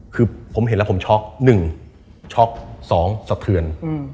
คือผมเห็นแล้วผมช็อก๑ช็อก๒สะเทือน